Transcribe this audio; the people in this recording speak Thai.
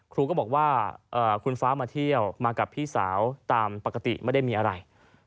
ครูก็บอกว่าคุณฟ้ามาเที่ยวมากับพี่สาวตามปกติไม่ได้มีอะไร